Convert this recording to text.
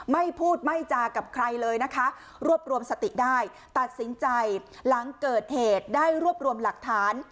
ไม่พูดไม่จากับใครเลยนะคะรวบรวมสติได้ตัดสินใจหลังเกิดเหตุได้รวบรวมหลักฐาน